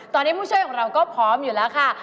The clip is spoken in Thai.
ตอนนี้ผู้ช่วยของเราก็พร้อมอยู่แล้วค่ะ